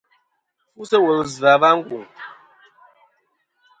Fu sɨ̂ wùl ɨ̀ vzɨ̀ a wa ngùŋ.